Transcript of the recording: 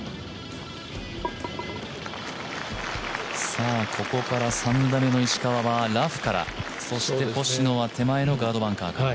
さあ、ここから３打目の石川はラフから、そして星野は手前のガードバンカーから。